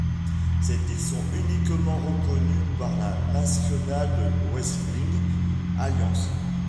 Ces titres sont uniquement reconnus par la National Wrestling Alliance.